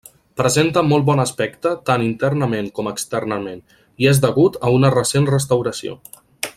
Presenta molt bon aspecte tant internament com externament, i és degut a una recent restauració.